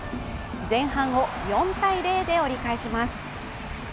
前半を４−０で折り返します。